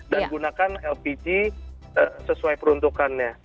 dan gunakan lpg sesuai peruntukannya